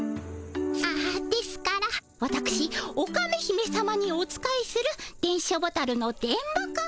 あっですからわたくしオカメ姫さまにお仕えする電書ボタルの電ボ子にございます。